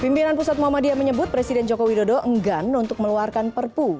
pimpinan pusat muhammadiyah menyebut presiden joko widodo enggan untuk meluarkan perpu